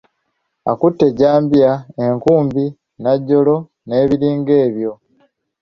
Akutte ejjambiya, enkubi, najjolo n'ebiringa ebyo.